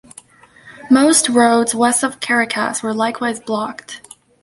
Most roads west of Caracas were likewise blocked.